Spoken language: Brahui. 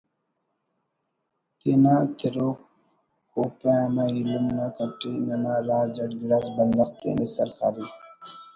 تینا تِرو کوپہ امہ ایلم نا کٹ ءِ ننا راج اٹ گڑاس بندغ تینے سرکاری